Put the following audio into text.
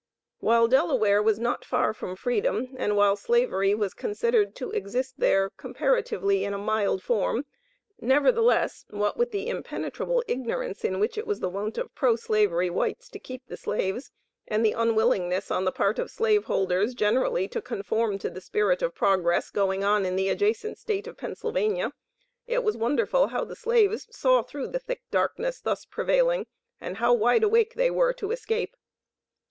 While Delaware was not far from freedom, and while Slavery was considered to exist there comparatively in a mild form, nevertheless, what with the impenetrable ignorance in which it was the wont of pro slavery whites to keep the slaves, and the unwillingness on the part of slave holders generally to conform to the spirit of progress going on in the adjacent State of Pennsylvania, it was wonderful how the slaves saw through the thick darkness thus prevailing, and how wide awake they were to escape.